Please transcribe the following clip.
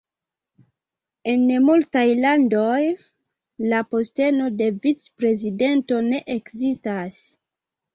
En multaj landoj, la posteno de vicprezidanto ne ekzistas.